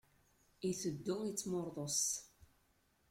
Iteddu, ittmuṛḍus.